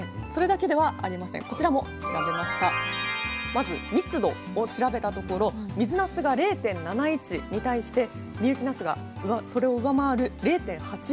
まず密度を調べたところ水なすが０．７１に対して深雪なすがそれを上回る０．８１。